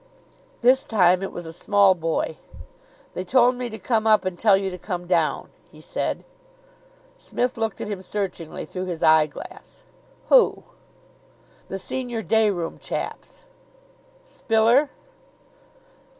This time it was a small boy. "They told me to come up and tell you to come down," he said. Psmith looked at him searchingly through his eyeglass. "Who?" "The senior day room chaps." "Spiller?"